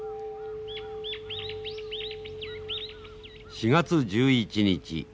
４月１１日。